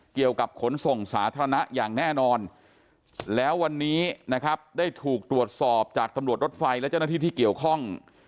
เกี่ยวกับขนส่งสาธารณะอย่างแน่นอน